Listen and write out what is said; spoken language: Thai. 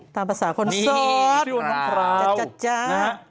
ตามภาษาคนโสดจั๊จ๊ะนะครับนี่พราว